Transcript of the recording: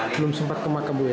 belum sempat kemakamu ya